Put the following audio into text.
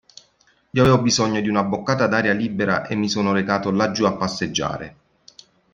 Io avevo bisogno di una boccata d'aria libera e mi sono recato laggiù a passeggiare.